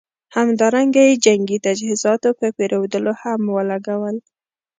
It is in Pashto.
همدارنګه یې جنګي تجهیزاتو په پېرودلو هم ولګول.